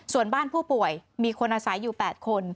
ส่วนบ้านผู้ป่วยมีคนอาศัยอยู่๘คน